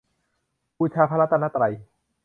บูชาพระรัตนตรัย